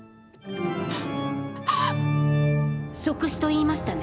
即死と言いましたね？